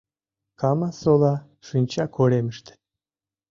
Кама-сола шинча коремыште.